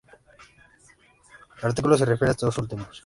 El artículo se refiere a estos últimos.